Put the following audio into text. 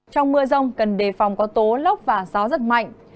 trong mưa rông cần đề phòng có tố lốc và gió giật mạnh